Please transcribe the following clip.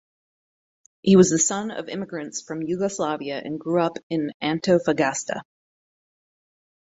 He was the son of immigrants from Yugoslavia and grew up in Antofagasta.